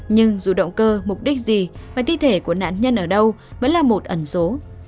nhưng dù động cơ mục đích gì và thi thể của nạn nhân ở đâu vẫn là một ẩn số